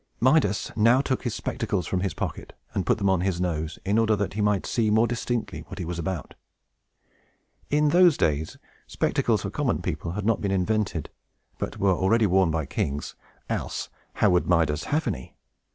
Midas now took his spectacles from his pocket, and put them on his nose, in order that he might see more distinctly what he was about. In those days, spectacles for common people had not been invented, but were already worn by kings; else, how could Midas have had any?